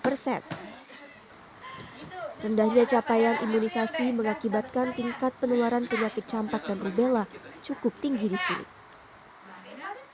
rendahnya capaian imunisasi mengakibatkan tingkat penularan penyakit campak dan rubella cukup tinggi di sini